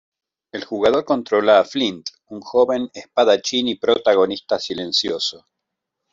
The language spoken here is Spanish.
El jugador controla a Flint, un joven espadachín y protagonista silencioso.